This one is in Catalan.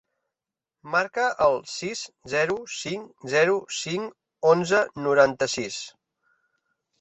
Marca el sis, zero, cinc, zero, cinc, onze, noranta-sis.